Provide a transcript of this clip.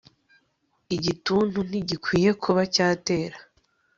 igituntu ntigikwiye kuba cyatera